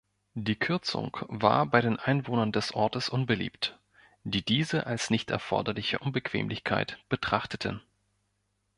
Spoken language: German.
Die Kürzung war bei den Einwohnern des Ortes unbeliebt, die diese als nicht erforderliche Unbequemlichkeit betrachteten.